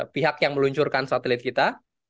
pihak yang meluncurkan satelit kita